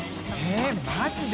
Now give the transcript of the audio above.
┐Аマジで？